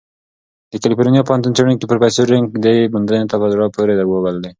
د کلیفورنیا پوهنتون څېړونکی پروفیسر رین نګ دې موندنې ته "په زړه پورې" وبللې.